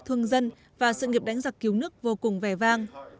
thương dân và sự nghiệp đánh giặc cứu nước vô cùng vẻ vang